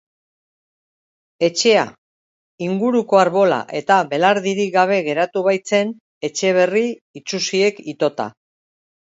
Etxea inguruko arbola eta belardirik gabe geratu baitzen, etxe berri itsusiek itota.